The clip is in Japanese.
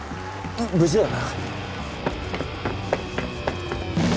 無事だよな？